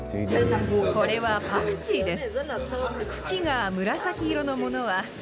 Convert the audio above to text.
これはパクチーです。